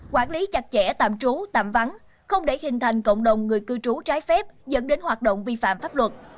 quản lý chặt chẽ tạm trú tạm vắng không để hình thành cộng đồng người cư trú trái phép dẫn đến hoạt động vi phạm pháp luật